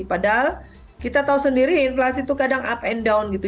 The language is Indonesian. padahal kita tahu sendiri inflasi itu kadang up and down gitu